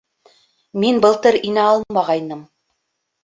Мин былтыр инә алмағайным